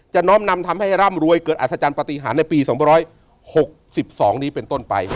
น้อมนำทำให้ร่ำรวยเกิดอัศจรรย์ปฏิหารในปี๒๖๒นี้เป็นต้นไป